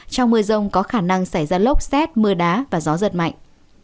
trong mưa rông có khả năng xảy ra lốc xét mưa đá và gió giật mạnh